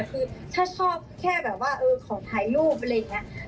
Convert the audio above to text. คือถ้าชอบแค่แบบว่าขอถ่ายรูปอะไรอย่างนี้